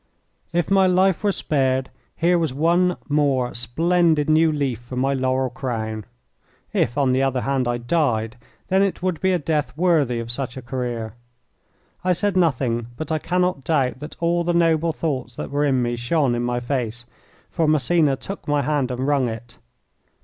If my life were spared, here was one more splendid new leaf for my laurel crown. If, on the other hand, I died, then it would be a death worthy of such a career. I said nothing, but I cannot doubt that all the noble thoughts that were in me shone in my face, for Massena took my hand and wrung it.